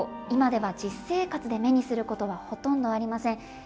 今では実生活で目にすることはほとんどありません。